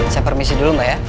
saya permisi dulu mbak ya